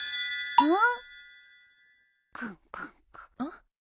うん？